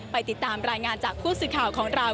ไปติดตามรายงานจากผู้สื่อข่าวของเรา